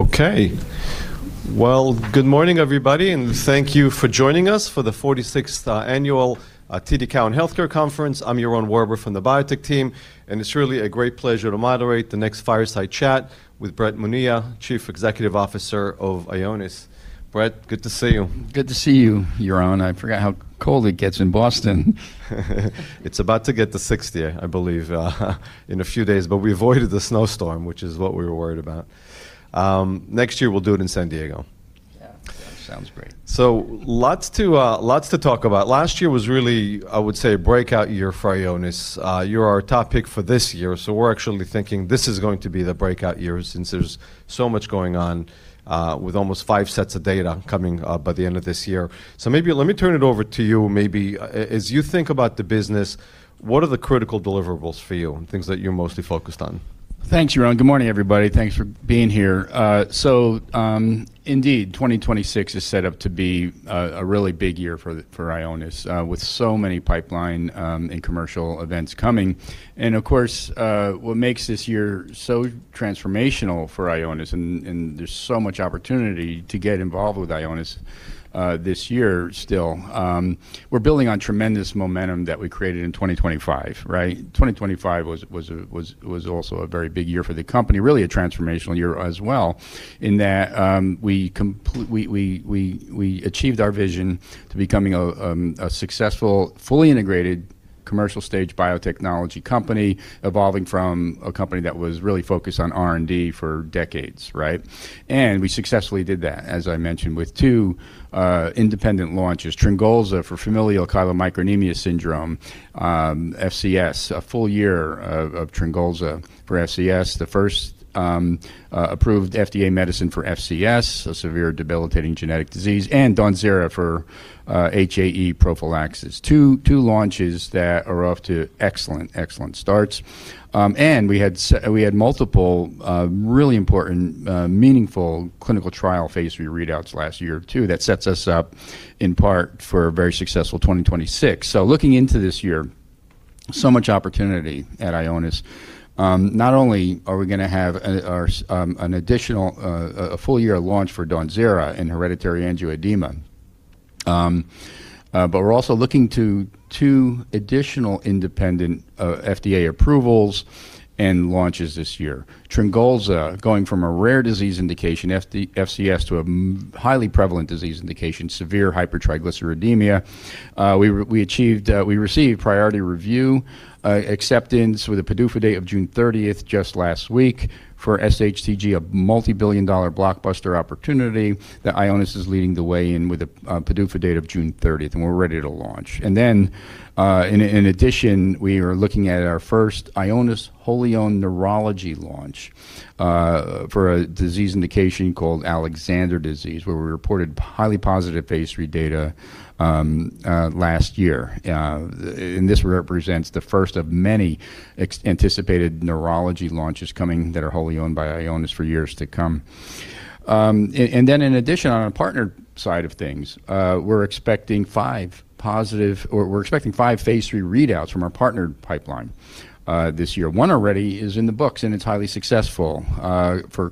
Okay. Well, good morning, everybody, and thank you for joining us for the 46th annual TD Cowen Healthcare Conference. I'm Yaron Werber from the biotech team, and it's really a great pleasure to moderate the next fireside chat with Brett Monia, Chief Executive Officer of Ionis. Brett, good to see you. Good to see you, Yaron. I forgot how cold it gets in Boston. It's about to get to 60, I believe, in a few days. We avoided the snowstorm, which is what we were worried about. Next year, we'll do it in San Diego. Yeah. Yeah, sounds great. Lots to talk about. Last year was really, I would say, a breakout year for Ionis. You're our topic for this year, so we're actually thinking this is going to be the breakout year since there's so much going on with almost five sets of data coming by the end of this year. Maybe let me turn it over to you. As you think about the business, what are the critical deliverables for you and things that you're mostly focused on? Thanks, Yaron. Good morning, everybody. Thanks for being here. Indeed, 2026 is set up to be a really big year for Ionis, with so many pipeline and commercial events coming. Of course, what makes this year so transformational for Ionis and there's so much opportunity to get involved with Ionis this year still, we're building on tremendous momentum that we created in 2025, right? 2025 was also a very big year for the company, really a transformational year as well in that, we achieved our vision to becoming a successful, fully integrated commercial stage biotechnology company, evolving from a company that was really focused on R&D for decades, right? We successfully did that, as I mentioned, with two independent launches, TRYNGOLZA for familial chylomicronemia syndrome, FCS, a full year of TRYNGOLZA for FCS, the first approved FDA medicine for FCS, a severe debilitating genetic disease, and DAWNZERA for HAE prophylaxis. Two launches that are off to excellent starts. We had multiple really important meaningful clinical trial phase III readouts last year too. That sets us up in part for a very successful 2026. Looking into this year, so much opportunity at Ionis. Not only are we gonna have an additional full year of launch for DAWNZERA in hereditary angioedema, but we're also looking to two additional independent FDA approvals and launches this year. TRYNGOLZA going from a rare disease indication FCS to a highly prevalent disease indication, severe hypertriglyceridemia. We achieved, we received priority review acceptance with a PDUFA date of June 30th just last week for sHTG, a multibillion-dollar blockbuster opportunity that Ionis is leading the way in with a PDUFA date of June 30th, and we're ready to launch. In addition, we are looking at our first Ionis wholly owned neurology launch for a disease indication called Alexander disease, where we reported highly positive phase III data last year. This represents the first of many anticipated neurology launches coming that are wholly owned by Ionis for years to come. In addition, on the partnered side of things, we're expecting five positive, or we're expecting five phase III readouts from our partnered pipeline this year. One already is in the books, and it's highly successful for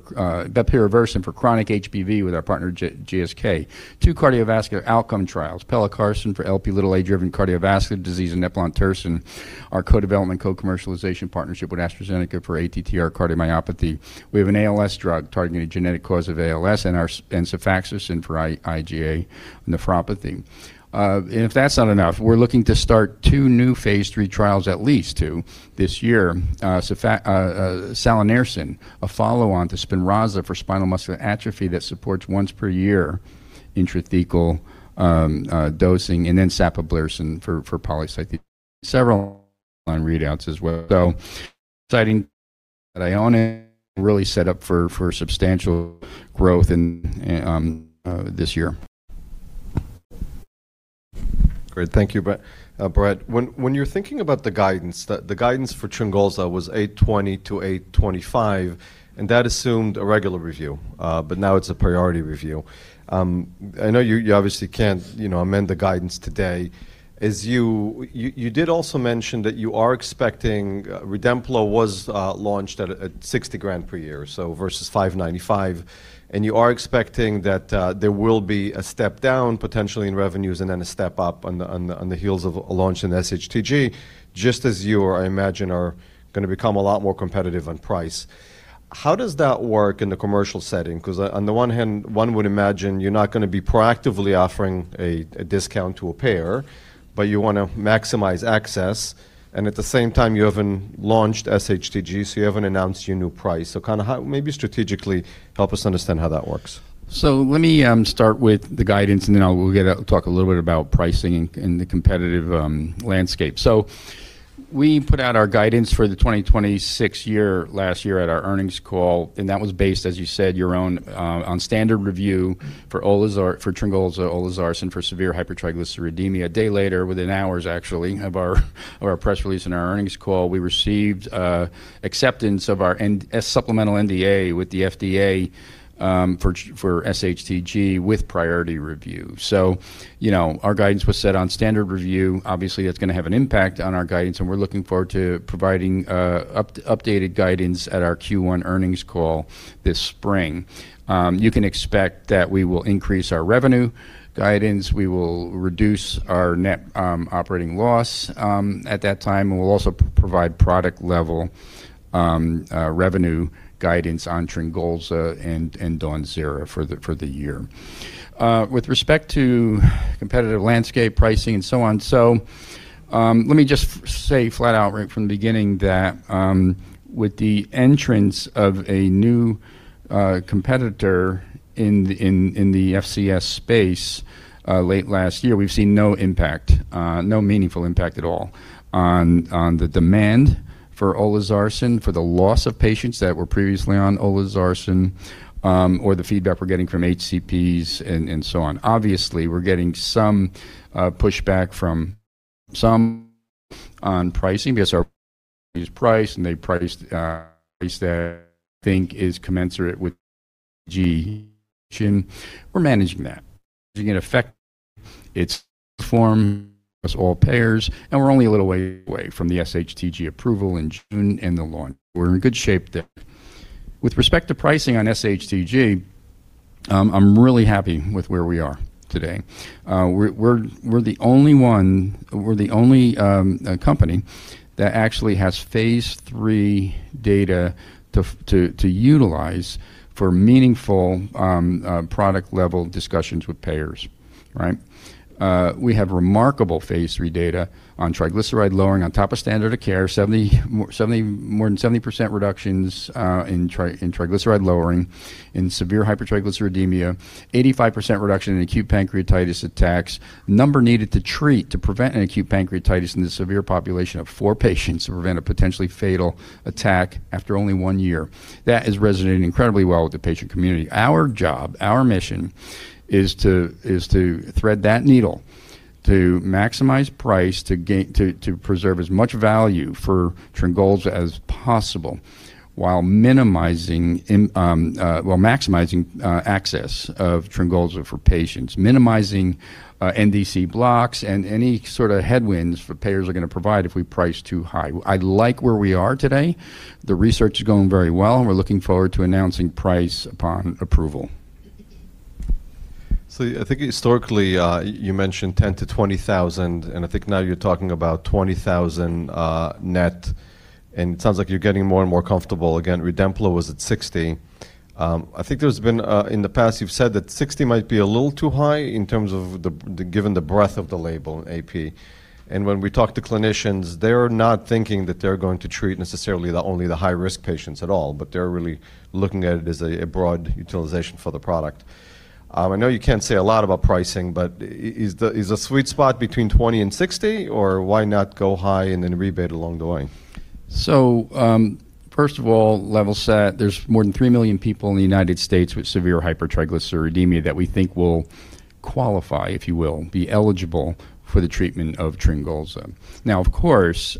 bepirovirsen for chronic HBV with our partner GSK. Two cardiovascular outcome trials, pelacarsen for Lp(a)(a) driven cardiovascular disease and eplontersen, our co-development, co-commercialization partnership with AstraZeneca for ATTR cardiomyopathy. We have an ALS drug targeting a genetic cause of ALS and IONIS-FB-LRx for IgA nephropathy. If that's not enough, we're looking to start two new phase III trials, at least two this year. Salanersen, a follow-on to SPINRAZA for spinal muscular atrophy that supports once per year intrathecal dosing, and then sapablursen for polycythemia. Several line readouts as well. Exciting that Ionis really set up for substantial growth in this year. Great. Thank you, Brett. When you're thinking about the guidance, the guidance for TRYNGOLZA was $820-$825, and that assumed a regular review, now it's a priority review. I know you obviously can't, you know, amend the guidance today. You did also mention that you are expecting Redemplo was launched at $60,000 per year versus $595. You are expecting that there will be a step down potentially in revenues and then a step up on the heels of a launch in sHTG, just as you are, I imagine, are gonna become a lot more competitive on price. How does that work in the commercial setting? On the one hand, one would imagine you're not gonna be proactively offering a discount to a payer, but you wanna maximize access, and at the same time, you haven't launched sHTG, so you haven't announced your new price. Maybe strategically help us understand how that works? Let me start with the guidance, then we'll talk a little bit about pricing and the competitive landscape. We put out our guidance for the 2026 year last year at our earnings call, and that was based, as you said, Yaron, on standard review for TRYNGOLZA, olezarsen for severe hypertriglyceridemia. A day later, within hours actually, of our press release and our earnings call, we received acceptance of our supplemental NDA with the FDA for sHTG with priority review. You know, our guidance was set on standard review. Obviously, that's gonna have an impact on our guidance, and we're looking forward to providing updated guidance at our Q1 earnings call this spring. You can expect that we will increase our revenue guidance. We will reduce our net operating loss at that time, and we'll also provide product level revenue guidance on TRYNGOLZA and DAWNZERA for the year. With respect to competitive landscape pricing and so on, let me just say flat out right from the beginning that with the entrance of a new competitor in the FCS space late last year, we've seen no impact, no meaningful impact at all on the demand for olezarsen, for the loss of patients that were previously on olezarsen, or the feedback we're getting from HCPs and so on. Obviously, we're getting some pushback from some on pricing because our price and they priced price that I think is commensurate with G. We're managing that. You can affect its form as all payers, and we're only a little way away from the sHTG approval in June and the launch. We're in good shape there. With respect to pricing on sHTG, I'm really happy with where we are today. We're the only company that actually has Phase III data to utilize for meaningful product-level discussions with payers. Right? We have remarkable Phase III data on triglyceride lowering on top of standard of care, more than 70% reductions in triglyceride lowering in severe hypertriglyceridemia, 85% reduction in acute pancreatitis attacks. Number needed to treat to prevent an acute pancreatitis in the severe population of four patients to prevent a potentially fatal attack after only one year. That is resonating incredibly well with the patient community. Our job, our mission is to thread that needle to maximize price, to preserve as much value for TRYNGOLZA as possible while minimizing while maximizing access of TRYNGOLZA for patients, minimizing NDC blocks and any sort of headwinds for payers are gonna provide if we price too high. I like where we are today. The research is going very well, and we're looking forward to announcing price upon approval. I think historically, you mentioned $10,000-$20,000. I think now you're talking about $20,000 net, and it sounds like you're getting more and more comfortable. Again, Redemplo was at $60. I think there's been, in the past, you've said that $60 might be a little too high in terms of the given the breadth of the label AP. When we talk to clinicians, they're not thinking that they're going to treat necessarily the only the high-risk patients at all, but they're really looking at it as a broad utilization for the product. I know you can't say a lot about pricing, but is the sweet spot between $20 and $60, or why not go high and then rebate along the way? First of all, level set, there's more than three million people in the United States with severe hypertriglyceridemia that we think will qualify, if you will, be eligible for the treatment of TRYNGOLZA. Of course,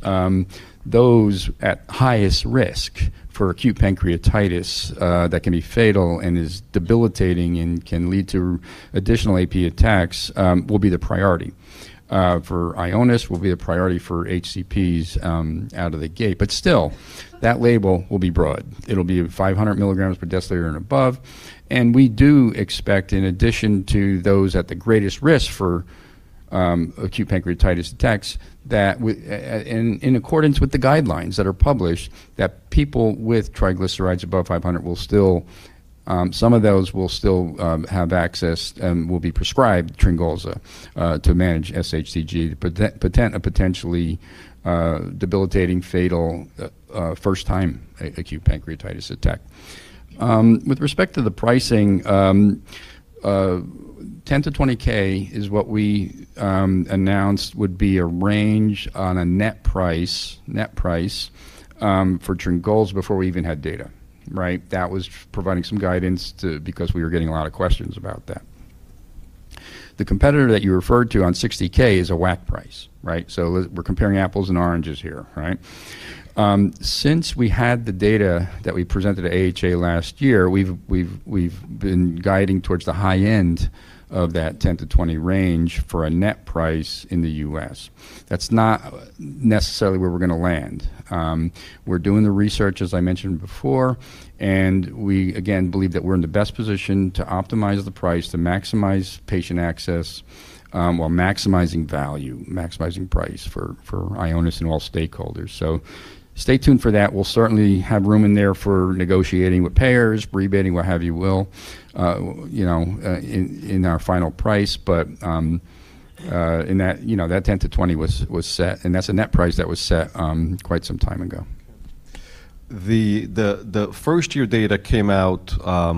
those at highest risk for acute pancreatitis that can be fatal and is debilitating and can lead to additional AP attacks will be the priority for Ionis, will be the priority for HCPs out of the gate. Still, that label will be broad. It'll be 500 milligrams per deciliter and above. We do expect, in addition to those at the greatest risk for acute pancreatitis attacks, that and in accordance with the guidelines that are published, that people with triglycerides above 500 will still, some of those will still, have access and will be prescribed TRYNGOLZA to manage sHTG, potentially debilitating, fatal, first-time acute pancreatitis attack. With respect to the pricing, $10K-$20K is what we announced would be a range on a net price, net price, for TRYNGOLZA before we even had data. Right? That was providing some guidance to... because we were getting a lot of questions about that. The competitor that you referred to on $60K is a WAC price. Right? We're comparing apples and oranges here, right? Since we had the data that we presented at AHA last year, we've been guiding towards the high end of that $10-$20 range for a net price in the U.S. That's not necessarily where we're gonna land. We're doing the research, as I mentioned before, and we, again, believe that we're in the best position to optimize the price, to maximize patient access, while maximizing value, maximizing price for Ionis and all stakeholders. Stay tuned for that. We'll certainly have room in there for negotiating with payers, rebating, what have you will, you know, in our final price. In that, you know, that $10-$20 was set, and that's a net price that was set quite some time ago. The first-year data came out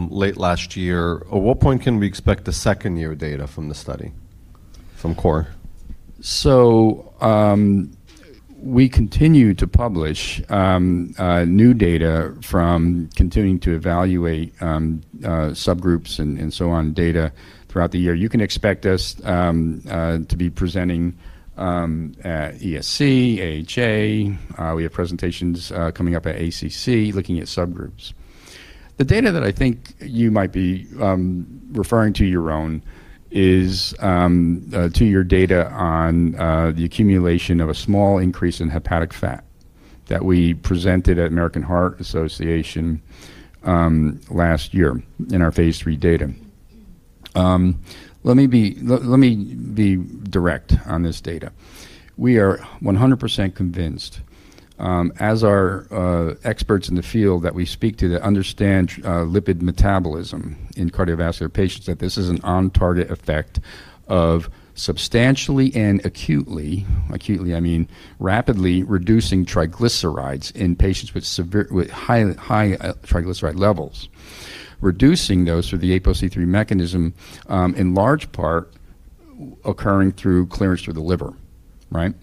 late last year. At what point can we expect the second-year data from the study, from CORE? We continue to publish new data from continuing to evaluate subgroups and so on data throughout the year. You can expect us to be presenting at ESC, AHA. We have presentations coming up at ACC, looking at subgroups. The data that I think you might be referring to, Yaron, is two-year data on the accumulation of a small increase in hepatic fat that we presented at American Heart Association last year in our phase III data. Let me be direct on this data. We are 100% convinced, as are experts in the field that we speak to that understand lipid metabolism in cardiovascular patients, that this is an on-target effect of substantially and acutely, I mean rapidly reducing triglycerides in patients with high triglyceride levels. Reducing those through the apoC-III mechanism, in large part occurring through clearance through the liver, right?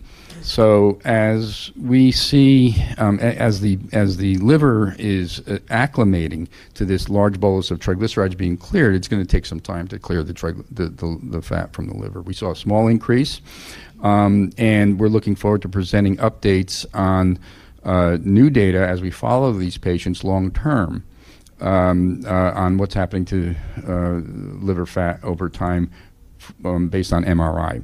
As we see, as the liver is acclimating to this large bolus of triglycerides being cleared, it's gonna take some time to clear the fat from the liver. We saw a small increase, and we're looking forward to presenting updates on new data as we follow these patients long term, on what's happening to liver fat over time based on MRI.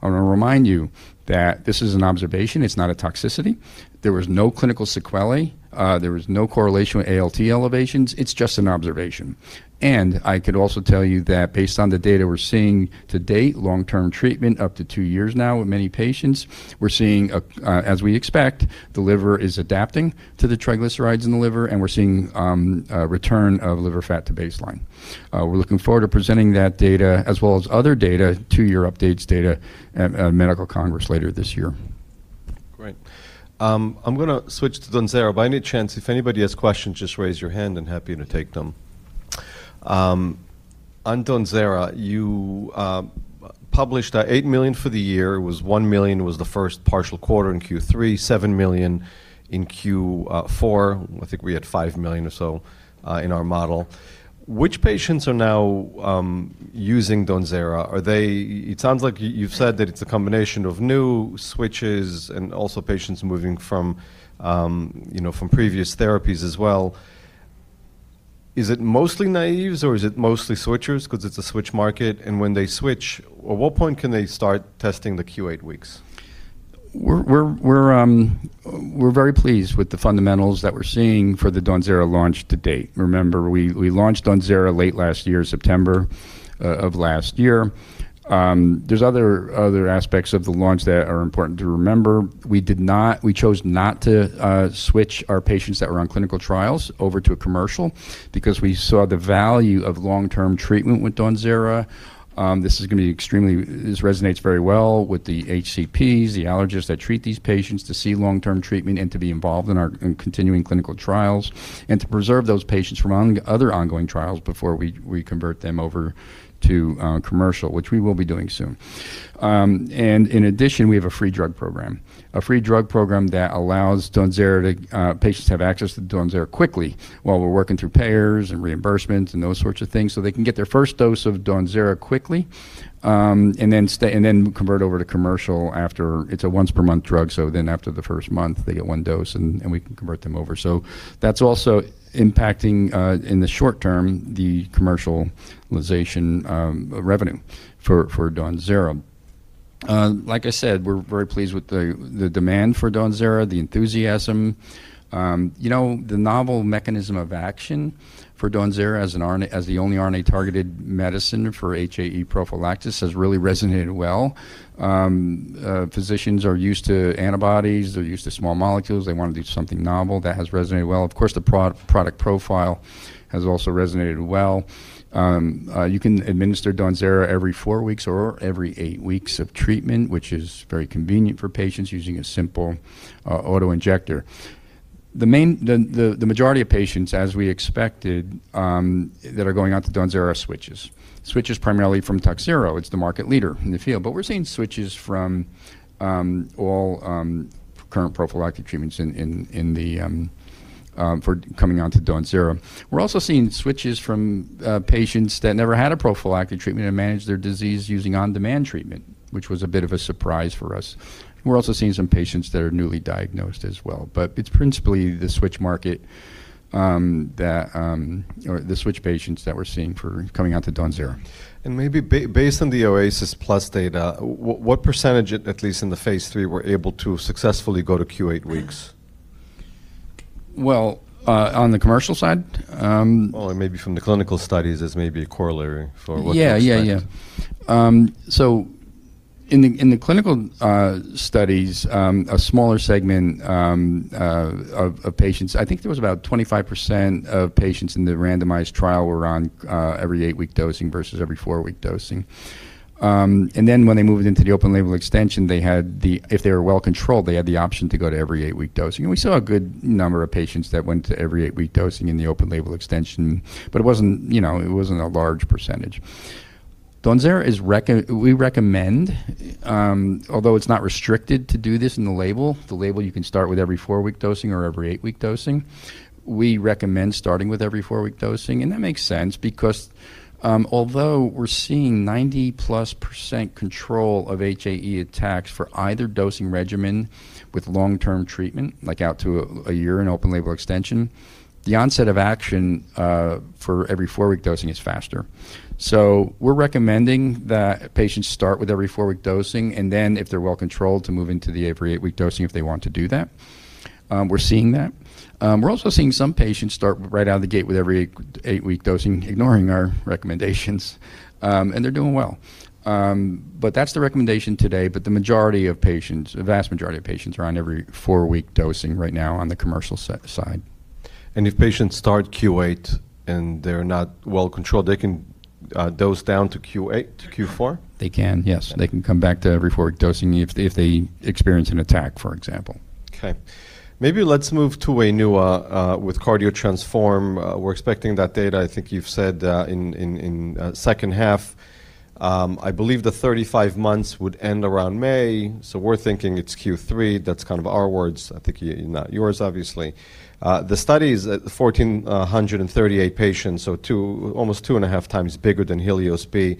I wanna remind you that this is an observation. It's not a toxicity. There was no clinical sequelae. There was no correlation with ALT elevations. It's just an observation. I could also tell you that based on the data we're seeing to date, long-term treatment up to two years now with many patients, we're seeing a, as we expect, the liver is adapting to the triglycerides in the liver, and we're seeing a return of liver fat to baseline. We're looking forward to presenting that data as well as other data, two-year updates data at Medical Congress later this year. Great. I'm gonna switch to DAWNZERA. By any chance, if anybody has questions, just raise your hand. I'm happy to take them. On DAWNZERA, you published at $8 million for the year. It was $1 million was the first partial quarter in Q3, $7 million in Q4. I think we had $5 million or so in our model. Which patients are now using DAWNZERA? It sounds like you've said that it's a combination of new switches and also patients moving from, you know, from previous therapies as well. Is it mostly naives, or is it mostly switchers 'cause it's a switch market? When they switch, at what point can they start testing the Q8 weeks? We're very pleased with the fundamentals that we're seeing for the DAWNZERA launch to date. Remember, we launched DAWNZERA late last year, September of last year. There's other aspects of the launch that are important to remember. We chose not to switch our patients that were on clinical trials over to a commercial because we saw the value of long-term treatment with DAWNZERA. This resonates very well with the HCPs, the allergists that treat these patients to seek long-term treatment and to be involved in our, in continuing clinical trials and to preserve those patients from other ongoing trials before we convert them over to commercial, which we will be doing soon. In addition, we have a free drug program. A free drug program that allows DAWNZERA to patients to have access to DAWNZERA quickly while we're working through payers and reimbursements and those sorts of things, so they can get their first dose of DAWNZERA quickly, and then convert over to commercial after. It's a once per month drug. After the first month, they get one dose and we can convert them over. That's also impacting in the short term, the commercialization revenue for DAWNZERA. Like I said, we're very pleased with the demand for DAWNZERA, the enthusiasm. You know, the novel mechanism of action for DAWNZERA as an RNA, as the only RNA-targeted medicine for HAE prophylaxis has really resonated well. Physicians are used to antibodies. They're used to small molecules. They wanna do something novel. That has resonated well. Of course, the product profile has also resonated well. You can administer DAWNZERA every four weeks or every eight weeks of treatment, which is very convenient for patients using a simple auto-injector. The majority of patients, as we expected, that are going on to DAWNZERA are switchers. Switchers primarily from TAKHZYRO. It's the market leader in the field. We're seeing switchers from all current prophylactic treatments for coming on to DAWNZERA. We're also seeing switchers from patients that never had a prophylactic treatment and manage their disease using on-demand treatment, which was a bit of a surprise for us. We're also seeing some patients that are newly diagnosed as well. It's principally the switch market that or the switch patients that we're seeing for coming onto DAWNZERA. Maybe based on the OASISplus data, what percentage at least in the phase III, were able to successfully go to Q8 weeks? Well, on the commercial side? Maybe from the clinical studies as maybe a corollary for what to expect. Yeah, yeah. In the clinical studies, a smaller segment of patients, I think there was about 25% of patients in the randomized trial were on every eight-week dosing versus every four-week dosing. Then when they moved into the open-label extension, if they were well controlled, they had the option to go to every eight-week dosing. We saw a good number of patients that went to every eight-week dosing in the open-label extension, but it wasn't, you know, it wasn't a large percentage. We recommend, although it's not restricted to do this in the label, the label you can start with every four-week dosing or every eight-week dosing, we recommend starting with every four-week dosing. That makes sense because, although we're seeing 90%+ control of HAE attacks for either dosing regimen with long-term treatment, like out to a year in open-label extension, the onset of action for every four-week dosing is faster. We're recommending that patients start with every four-week dosing and then, if they're well controlled, to move into the every eight-week dosing if they want to do that. We're seeing that. We're also seeing some patients start right out of the gate with every eight-week dosing, ignoring our recommendations, and they're doing well. That's the recommendation today, but the majority of patients, a vast majority of patients are on every four-week dosing right now on the commercial side. If patients start Q8 and they're not well controlled, they can dose down to Q4? They can, yes. They can come back to every four week dosing if they experience an attack, for example. Okay. Maybe let's move to WAINUA with CARDIO-TTRansform. We're expecting that data, I think you've said, in second half. I believe the 35 months would end around May, so we're thinking it's Q3. That's kind of our words, I think not yours, obviously. The study is at 1,438 patients, so almost 2.5x bigger than HELIOS-B.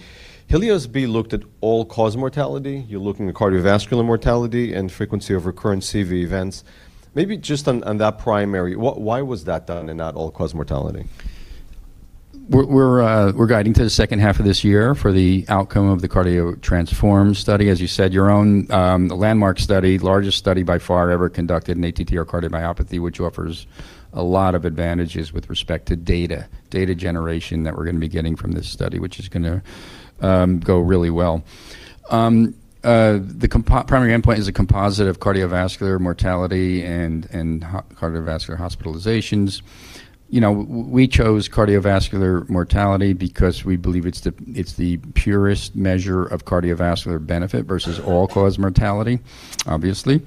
HELIOS-B looked at all-cause mortality. You're looking at cardiovascular mortality and frequency of recurrent CV events. Maybe just on that primary, why was that done and not all-cause mortality? We're guiding to the second half of this year for the outcome of the CARDIO-TTRansform study. As you said, Yaron, landmark study, largest study by far ever conducted in ATTR cardiomyopathy, which offers a lot of advantages with respect to data generation that we're gonna be getting from this study, which is gonna go really well. The primary endpoint is a composite of cardiovascular mortality and cardiovascular hospitalizations. You know, we chose cardiovascular mortality because we believe it's the purest measure of cardiovascular benefit versus all-cause mortality, obviously.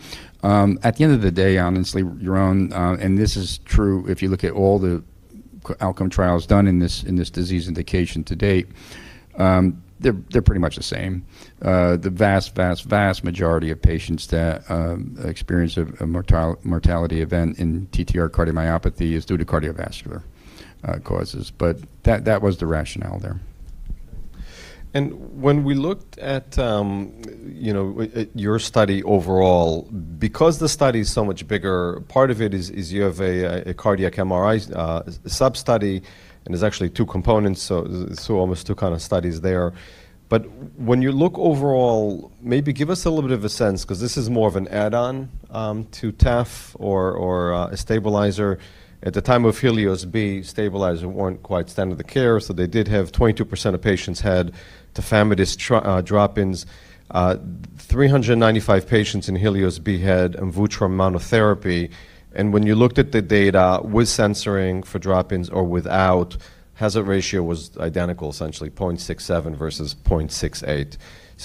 At the end of the day, honestly, Yaron. This is true if you look at all the outcome trials done in this, in this disease indication to date, they're pretty much the same. The vast majority of patients that experience a mortality event in TTR cardiomyopathy is due to cardiovascular causes, but that was the rationale there. When we looked at, you know, at your study overall, because the study is so much bigger, part of it is, you have a cardiac MRI sub-study, and there's actually two components, so almost two kind of studies there. When you look overall, maybe give us a little bit of a sense, 'cause this is more of an add-on to TAF or a stabilizer. At the time of HELIOS-B, stabilizers weren't quite standard of care, so they did have 22% of patients had tafamidis drop-ins. 395 patients in HELIOS-B had Amvuttra monotherapy. When you looked at the data with censoring for drop-ins or without, hazard ratio was identical, essentially 0.67 versus 0.68.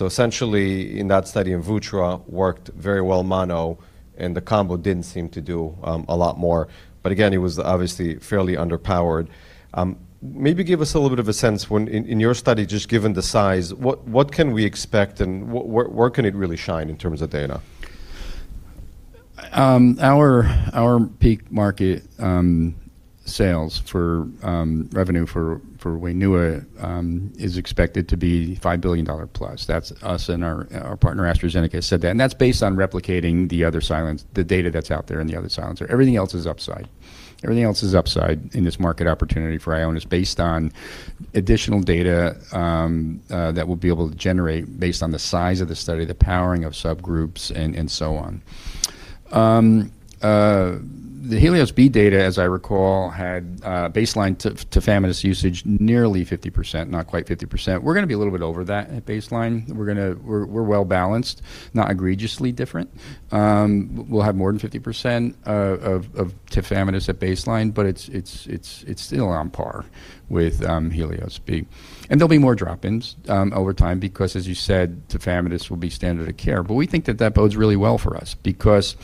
Essentially in that study, eplontersen worked very well mono, and the combo didn't seem to do a lot more. Again, it was obviously fairly underpowered. Maybe give us a little bit of a sense when in your study, just given the size, what can we expect and where can it really shine in terms of data? Our peak market sales for revenue for WAINUA is expected to be $5 billion plus. That's us and our partner AstraZeneca said that. That's based on replicating the data that's out there and the other silencer. Everything else is upside. Everything else is upside in this market opportunity for Ionis, based on additional data that we'll be able to generate based on the size of the study, the powering of subgroups, and so on. The HELIOS-B data, as I recall, had baseline tafamidis usage nearly 50%, not quite 50%. We're gonna be a little bit over that at baseline. We're well-balanced, not egregiously different. We'll have more than 50% of tafamidis at baseline. It's still on par with HELIOS-B. There'll be more drop-ins over time because, as you said, tafamidis will be standard of care. We think that that bodes really well for us because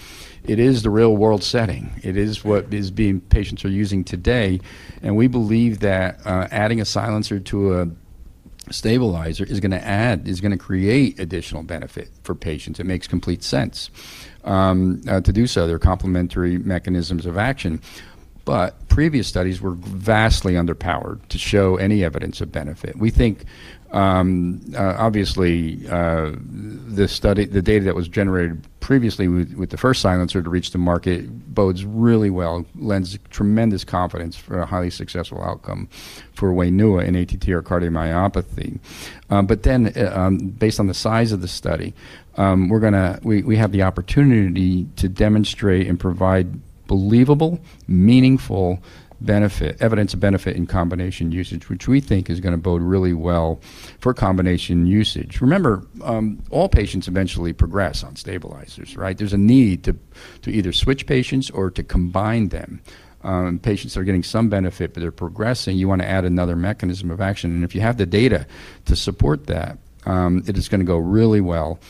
it is the real-world setting. It is what patients are using today, and we believe that adding a silencer to a stabilizer is gonna create additional benefit for patients. It makes complete sense to do so. They're complementary mechanisms of action. Previous studies were vastly underpowered to show any evidence of benefit. We think obviously the study, the data that was generated previously with the first silencer to reach the market bodes really well, lends tremendous confidence for a highly successful outcome for WAINUA in ATTR cardiomyopathy. Based on the size of the study, we have the opportunity to demonstrate and provide believable, meaningful benefit, evidence of benefit in combination usage, which we think is gonna bode really well for combination usage. Remember, all patients eventually progress on stabilizers, right. There's a need to either switch patients or to combine them. Patients are getting some benefit, but they're progressing. You wanna add another mechanism of action, and if you have the data to support that, it is gonna go really well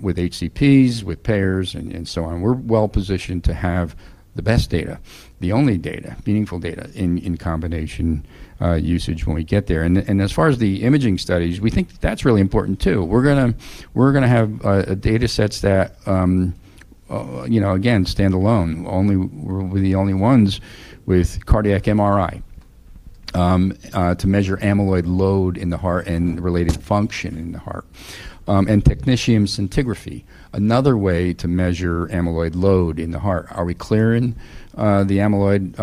with HCPs, with payers, and so on. We're well-positioned to have the best data, the only data, meaningful data in combination usage when we get there. As far as the imaging studies, we think that's really important too. We're gonna have data sets that, you know, again, stand alone. We're the only ones with cardiac MRI to measure amyloid load in the heart and related function in the heart. technetium scintigraphy, another way to measure amyloid load in the heart. Are we clearing the amyloid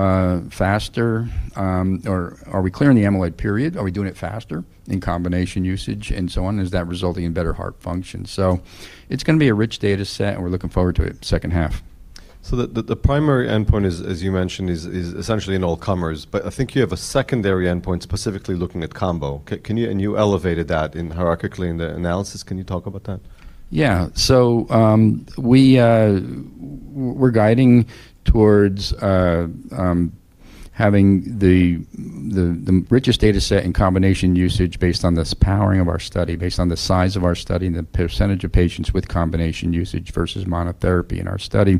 faster? Are we clearing the amyloid, period? Are we doing it faster in combination usage and so on? Is that resulting in better heart function? It's gonna be a rich data set, and we're looking forward to it second half. The primary endpoint is, as you mentioned, is essentially an all-comers, I think you have a secondary endpoint specifically looking at combo. You elevated that hierarchically in the analysis. Can you talk about that? Yeah. We're guiding towards having the richest data set and combination usage based on this powering of our study, based on the size of our study and the percentage of patients with combination usage versus monotherapy in our study,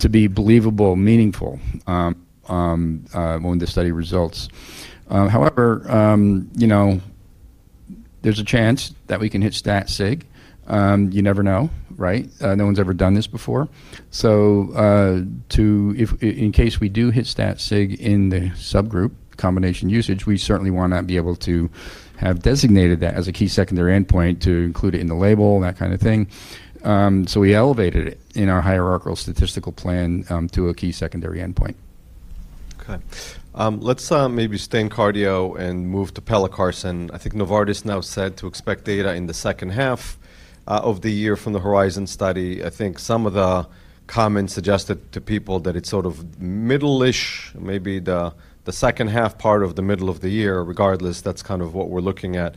to be believable, meaningful, when the study results. However, you know, there's a chance that we can hit stat sig. You never know, right? No one's ever done this before. If in case we do hit stat sig in the subgroup combination usage, we certainly wanna be able to have designated that as a key secondary endpoint to include it in the label and that kind of thing. So we elevated it in our hierarchical statistical plan to a key secondary endpoint. Let's maybe stay in cardio and move to pelacarsen. I think Novartis now said to expect data in the second half of the year from the HORIZON study. I think some of the comments suggested to people that it's sort of middle-ish, maybe the second half part of the middle of the year. Regardless, that's kind of what we're looking at.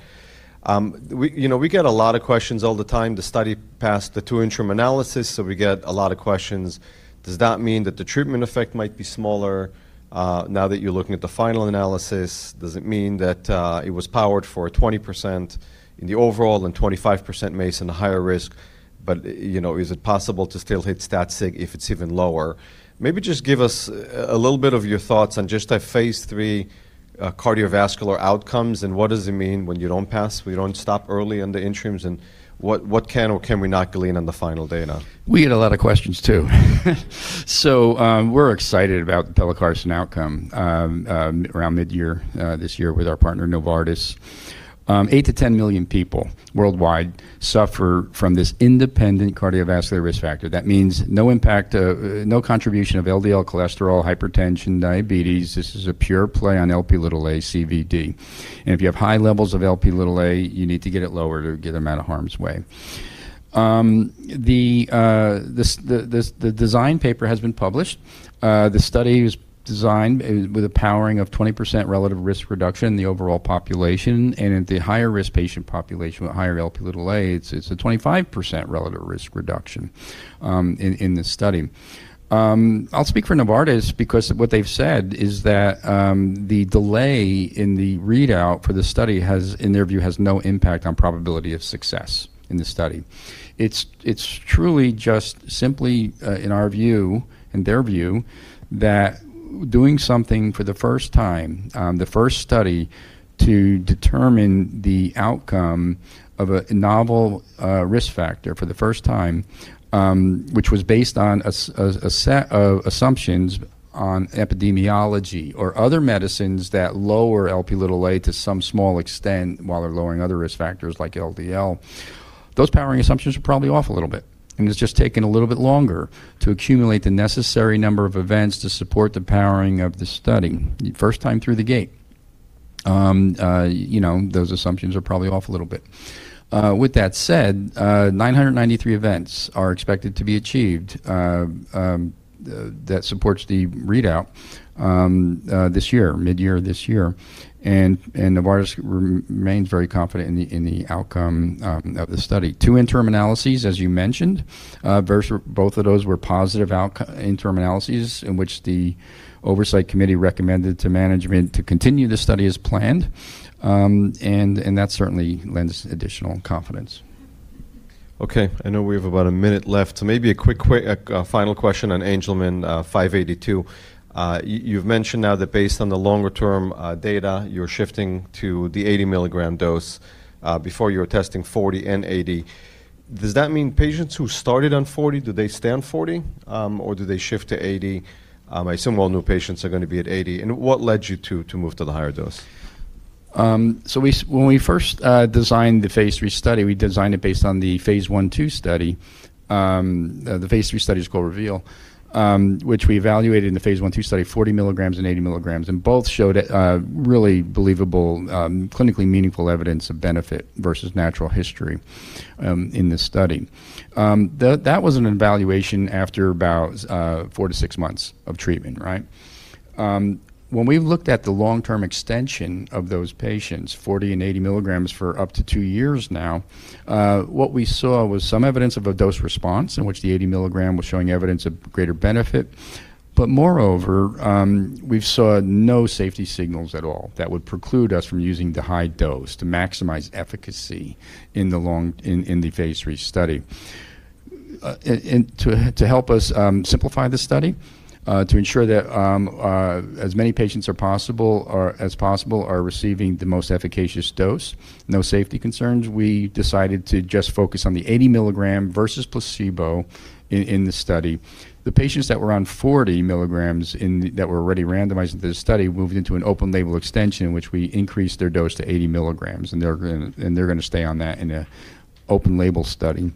We, you know, we get a lot of questions all the time. The study passed the two interim analysis, we get a lot of questions. Does that mean that the treatment effect might be smaller now that you're looking at the final analysis? Does it mean that it was powered for 20% in the overall and 25% may it's in a higher risk, but, you know, is it possible to still hit that sig if it's even lower? Maybe just give us a little bit of your thoughts on just a phase III cardiovascular outcomes and what does it mean when you don't pass, when you don't stop early in the interims, and what can or can we not glean on the final data? We get a lot of questions too. We're excited about the pelacarsen outcome around midyear this year with our partner, Novartis. Eight to 10 million people worldwide suffer from this independent cardiovascular risk factor. That means no impact, no contribution of LDL cholesterol, hypertension, diabetes. This is a pure play on Lp(a) CVD. If you have high levels of Lp(a), you need to get it lower to get them out of harm's way. The design paper has been published. The study is designed with a powering of 20% relative risk reduction in the overall population and in the higher-risk patient population with higher Lp(a), it's a 25% relative risk reduction in the study. I'll speak for Novartis because what they've said is that the delay in the readout for the study has, in their view, has no impact on probability of success in the study. It's truly just simply, in our view and their view that doing something for the first time, the first study to determine the outcome of a novel risk factor for the first time, which was based on a set of assumptions on epidemiology or other medicines that lower Lp(a) to some small extent while they're lowering other risk factors like LDL. Those powering assumptions are probably off a little bit, and it's just taken a little bit longer to accumulate the necessary number of events to support the powering of the study. First time through the gate, you know, those assumptions are probably off a little bit. With that said, 993 events are expected to be achieved. That supports the readout this year, midyear this year. Novartis remains very confident in the outcome of the study. Two interim analyses, as you mentioned, both of those were positive interim analyses in which the oversight committee recommended to management to continue the study as planned. That certainly lends additional confidence. Okay. I know we have about a minute left, so maybe a quick, a final question on Angelman, ION582. You've mentioned now that based on the longer-term, data, you're shifting to the 80-milligram dose. Before, you were testing 40 and 80. Does that mean patients who started on 40, do they stay on 40, or do they shift to 80? I assume all new patients are gonna be at 80. What led you to move to the higher dose? When we first designed the phase III study, we designed it based on the phase I/II study. The phase III study is called REVEAL, which we evaluated in the phase I/II study 40 milligrams and 80 milligrams, and both showed a really believable, clinically meaningful evidence of benefit versus natural history in the study. That was an evaluation after about four to six months of treatment, right? When we looked at the long-term extension of those patients, 40 and 80 milligrams for up to two years now, what we saw was some evidence of a dose response in which the 80 milligram was showing evidence of greater benefit. Moreover, we saw no safety signals at all that would preclude us from using the high dose to maximize efficacy in the phase III study. To help us simplify the study, to ensure that as many patients as possible are receiving the most efficacious dose, no safety concerns, we decided to just focus on the 80 milligram versus placebo in the study. The patients that were on 40 milligrams that were already randomized in this study moved into an open-label extension, which we increased their dose to 80 milligrams, and they're gonna stay on that in a open-label study.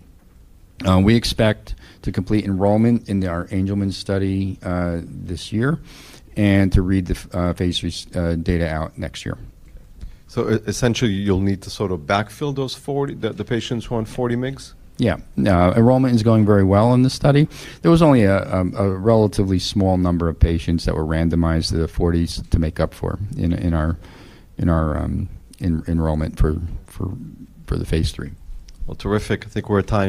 We expect to complete enrollment in our Angelman study this year and to read the phase III data out next year. Essentially, you'll need to sort of backfill those 40, the patients who on 40 mg? Yeah. No, enrollment is going very well in the study. There was only a relatively small number of patients that were randomized to the 40s to make up for in our enrollment for the phase III. Well, terrific. I think we're at time.